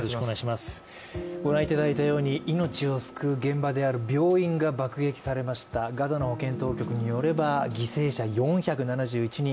ご覧いただいたように命を救う現場である病院が爆撃されましたガザの保健当局によれば犠牲者４７１人。